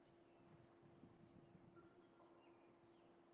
当时的单层巴士设有头等软座及二等硬座两级。